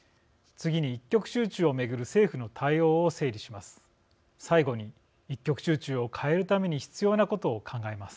次に一極集中を巡る政府の対応を整理します。